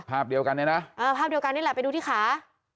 ภาพเดียวกันเนี่ยนะภาพเดียวกันนี่แหละไปดูที่ขา